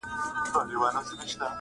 • منصور دا ځلي د دې کلي ملا کړو,